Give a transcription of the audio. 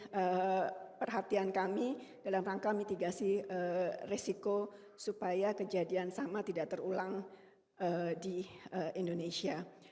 perhatian kami dalam rangka mitigasi resiko supaya kejadian sama tidak terulang di indonesia